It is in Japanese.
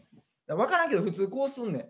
分からんけど普通こうすんねん。